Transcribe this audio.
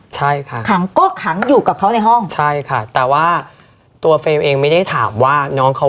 ใช่ค่ะขังก็ขังอยู่กับเขาในห้องใช่ค่ะแต่ว่าตัวเฟรมเองไม่ได้ถามว่าน้องเขา